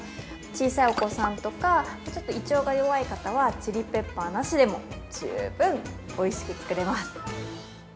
小さいお子さんとか、胃腸が弱い方はチリペッパーなしでも、十分おいしく作れます。